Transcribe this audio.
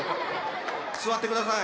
座ってください。